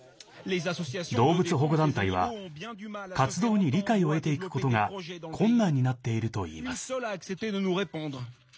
動物保護団体は活動に理解を得ていくことが困難になっているといいます。